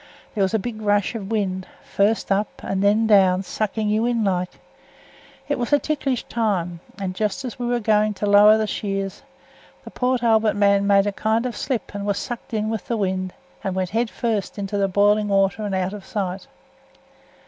There was a big rush of wind, first up and then down sucking you in like. It was a ticklish time, and just as we were going to lower th' shears, th' Port Albert man made a kind of slip, and was sucked in with the wind, and went head first into the boiling water and out of sight.